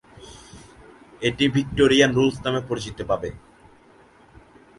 এটি Victorian rules নামে পরিচিতি পাবে।